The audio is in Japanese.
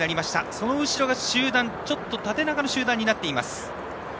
その後ろがちょっと縦長の集団になっています。